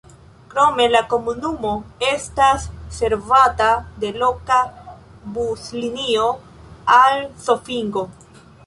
Krome la komunumo estas servata de loka buslinio al Zofingo.